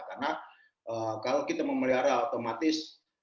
karena kalau kita memelihara otomatis